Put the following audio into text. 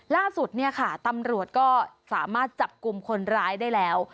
ล่าสุดเนี่ยค่ะตำรวจก็สามารถจับกลุ่มคนร้ายได้แล้ว